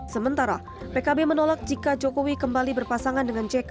sementara pkb menolak jika jokowi kembali berpasangan dengan jk